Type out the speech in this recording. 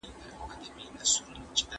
پلاستیک مه سوځوئ.